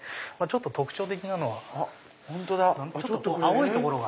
特徴的なのはちょっと青い所が。